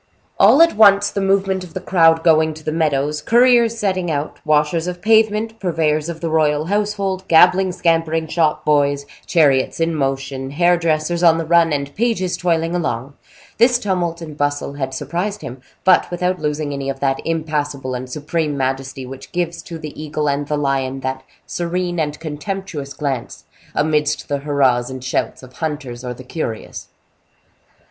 All at once the movement of the crowd going to the meadows, couriers setting out, washers of pavement, purveyors of the royal household, gabbling, scampering shop boys, chariots in motion, hair dressers on the run, and pages toiling along, this tumult and bustle had surprised him, but without losing any of that impassible and supreme majesty which gives to the eagle and the lion that serene and contemptuous glance amidst the hurrahs and shouts of hunters or the curious.